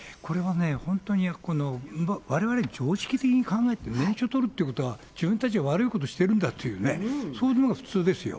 そうですよね、これはね、本当にわれわれ、常識的に考えて、念書取るということは、自分たちが悪いことしてるんだっていうね、そういうのが普通ですよ。